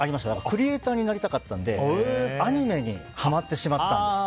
クリエーターになりたかったのでアニメにハマってしまったんです。